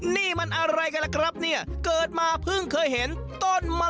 นี่มันอะไรกันล่ะครับเนี่ยเกิดมาเพิ่งเคยเห็นต้นไม้